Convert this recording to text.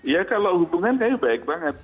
ya kalau hubungan kayaknya baik banget